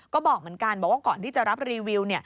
ก็บอกเหมือนกันบอกว่าก่อนที่จะรับรีวิว